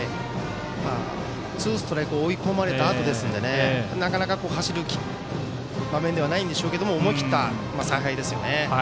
ツーストライク追い込まれたあとなのでなかなか、走る場面ではないんでしょうけど思い切った采配ですよね。